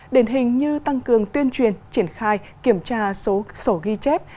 đền hình như tăng cường tuyên truyền triển khai kiểm tra số sổ ghi chép